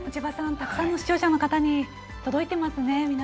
たくさんの視聴者の方から届いていますね。